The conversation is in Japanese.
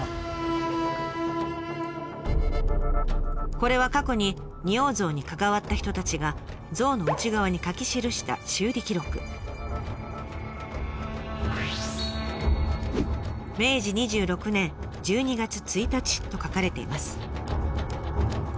これは過去に仁王像に関わった人たちが像の内側に書き記した修理記録。と書かれています。